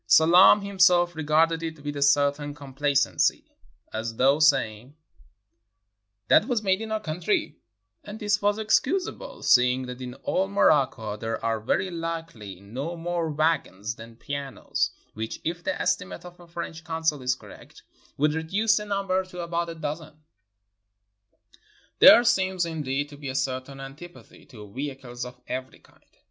Selam himself regarded it with a certain complacency, as though saying, "That was made in our country"; and this was excusable, seeing that in all Morocco there are very likely no more wagons than pianos, which, if the estimate of a French consul is correct, would reduce the number to about a dozen. There seems, indeed, to be a certain antipathy to vehicles of every kind.